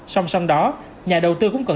song song đó nhà đầu tư cũng cần